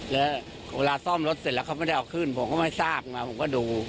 แล้วเวลาซ่อมรถเสร็จแล้วเขาไม่ได้เอาขึ้นผมก็ไม่ทราบมาผมก็ดู